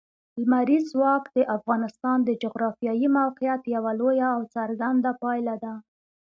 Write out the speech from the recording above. لمریز ځواک د افغانستان د جغرافیایي موقیعت یوه لویه او څرګنده پایله ده.